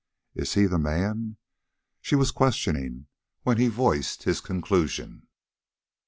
IS HE THE MAN? she was questioning, when he voiced his conclusion.